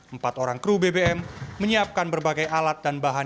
empat orang kru bbm menyiapkan berbagai alat dan bahan